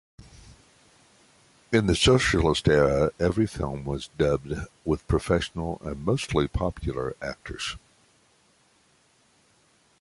In the socialist era, every film was dubbed with professional and mostly popular actors.